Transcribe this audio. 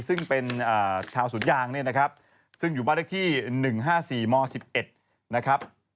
ซึ่งเป็นชาวสุดยางซึ่งอยู่บ้านลึกที่๑๕๔ม๑๑นะครับ